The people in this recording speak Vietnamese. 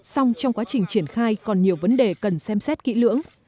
xong trong quá trình triển khai còn nhiều vấn đề cần xem xét kỹ lưỡng